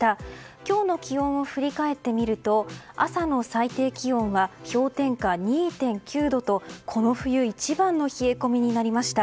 今日の気温を振り返ってみると朝の最低気温は氷点下２．９度とこの冬一番の冷え込みになりました。